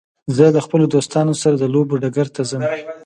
زه له خپلو دوستانو سره د لوبو ډګر ته ځم.